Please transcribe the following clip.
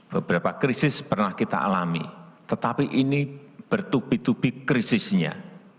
beberapa krisis pernah kita alami tetapi ini bertubi tubi krisisnya